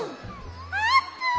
あーぷん！